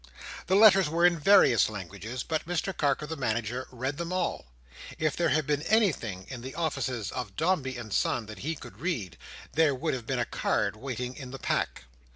The letters were in various languages, but Mr Carker the Manager read them all. If there had been anything in the offices of Dombey and Son that he could read, there would have been a card wanting in the pack.